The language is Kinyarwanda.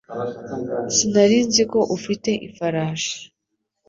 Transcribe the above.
Sinari nzi ko ufite ifarashi